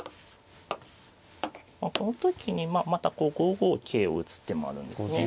この時にまた５五桂を打つ手もあるんですね。